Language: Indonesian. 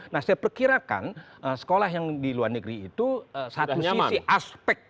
nah saya perkirakan sekolah yang di luar negeri itu satu sisi aspek